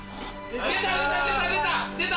出た出た出た出た！